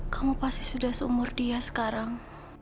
kamu pasti sudah seumur dia sekarang